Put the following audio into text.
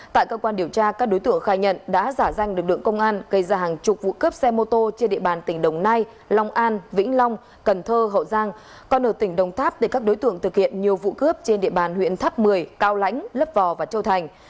tại cơ quan điều tra các đối tượng khai nhận đã giả danh lực lượng công an gây ra hàng chục vụ cướp xe mô tô trên địa bàn tỉnh đồng nai long an vĩnh long cần thơ hậu giang còn ở tỉnh đồng tháp để các đối tượng thực hiện nhiều vụ cướp trên địa bàn huyện tháp một mươi cao lãnh lấp vò và châu thành